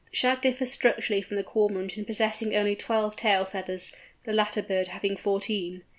The Shag differs structurally from the Cormorant in possessing only twelve tail feathers, the latter bird having fourteen.